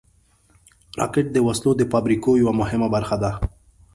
راکټ د وسلو د فابریکو یوه مهمه برخه ده